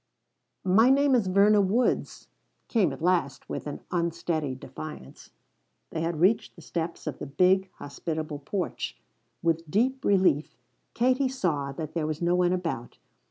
"My name is Verna Woods," came at last with an unsteady defiance. They had reached the steps of the big, hospitable porch. With deep relief Katie saw that there was no one about.